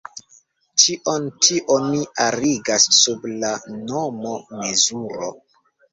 Ĉion ĉi oni arigas sub la nomo "mezuro".